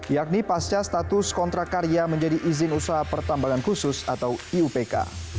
yakni pasca status kontrak karya menjadi izin usaha pertambangan khusus atau iupk